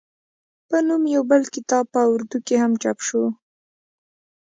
پۀ نوم يو بل کتاب پۀ اردو کښې هم چاپ شو